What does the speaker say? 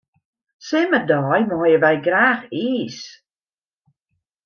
Simmerdei meie wy graach iis.